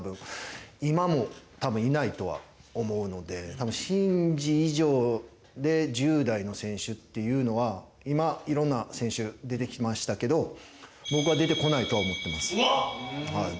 多分伸二以上で１０代の選手っていうのは今いろんな選手出てきましたけど僕は出てこないとは思ってます。